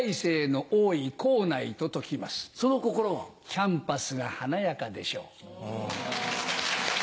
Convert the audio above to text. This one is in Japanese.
キャンパスが華やかでしょう。